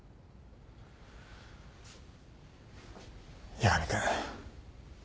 八神君。